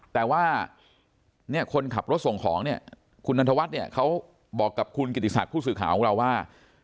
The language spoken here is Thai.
แต่ว่าคนขับรถส่งของคุณนันทวัฒน์เขาบอกกับคุณกิติศาสตร์ผู้สื่อข่าวของเราว่า